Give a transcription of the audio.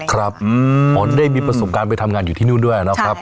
ครับผมได้มีประสบการณ์ไปทำงานอยู่ที่นู่นด้วยนะครับ